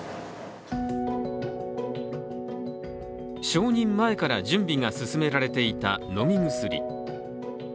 承認前から準備が進められていた飲み薬。